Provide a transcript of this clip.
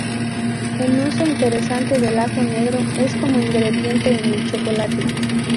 Un uso interesante del ajo negro es como ingrediente en el chocolate.